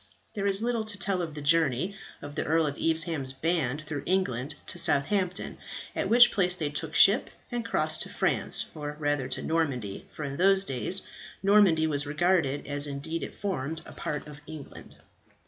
There is little to tell of the journey of the Earl of Evesham's band through England to Southampton, at which place they took ship and crossed to France or rather to Normandy, for in those days Normandy was regarded, as indeed it formed, a part of England.